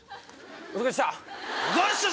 お疲れっした！